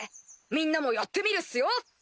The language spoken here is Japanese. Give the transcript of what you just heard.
みんなもやってみるっすよ！